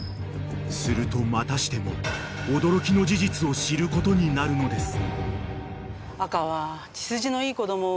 ［するとまたしても驚きの事実を知ることになるのです］